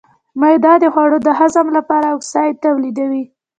معده د خوړو د هضم لپاره اسید تولیدوي.